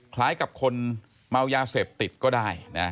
คล้ายกับคนเมายาเสพติดก็ได้นะ